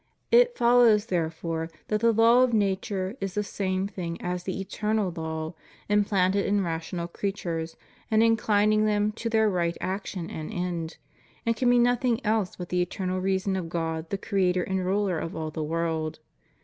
It follows there fore that the law of nature is the same thing as the eternal law, implanted in rational creatures, and inclining them to their right action and end; and can be nothing else but the eternal reason of God, the Creator and Ruler of all the world.